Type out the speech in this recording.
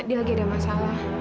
dia lagi ada masalah